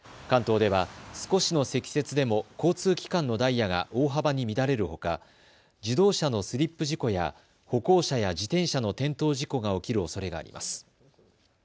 関東では少しの積雪でも交通機関のダイヤが大幅に乱れるほか自動車のスリップ事故や歩行者や自転車の転倒事故が起きるおそれがあります。